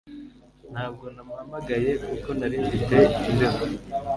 Ntabwo namuhamagaye kuko nari mfite imbeho